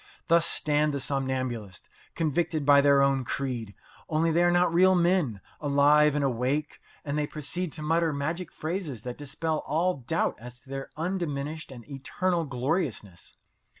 Thus stand the somnambulists convicted by their own creed only they are not real men, alive and awake, and they proceed to mutter magic phrases that dispel all doubt as to their undiminished and eternal gloriousness.